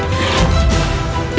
serahkan darah itu